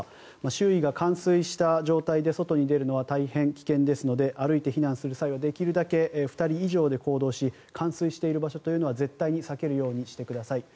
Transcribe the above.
周囲が冠水した状態で外に出るのは大変危険ですので歩いて避難する際はできるだけ２人以上で行動し冠水している場所というのは絶対に避けるようにしてください。